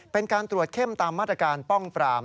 เป็นการตรวจเข้มตามมาตรการป้องปราม